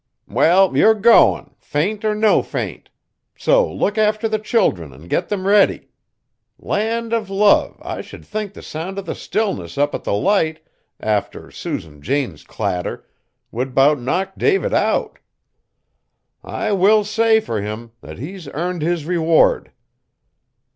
"Well, you're goin', faint or no faint! So look after the children, an' get them ready. Land of love! I should think the sound of the stillness up at the Light, after Susan Jane's clatter, would 'bout knock David out. I will say fur him, that he's earned his reward.